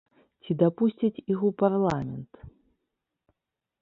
Ці дапусцяць іх у парламент.